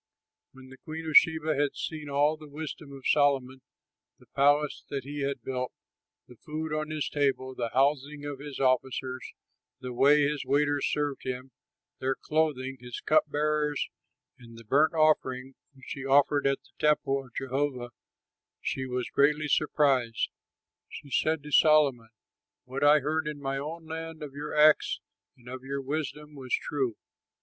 When the queen of Sheba had seen all the wisdom of Solomon, the palace that he had built, the food on his table, the housing of his officers, the way his waiters served him, their clothing, his cup bearers, and the burnt offering which he offered at the temple of Jehovah, she was greatly surprised. She said to Solomon, "What I heard in my own land of your acts and of your wisdom was true.